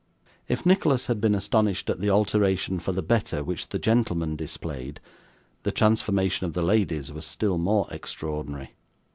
If Nicholas had been astonished at the alteration for the better which the gentlemen displayed, the transformation of the ladies was still more extraordinary.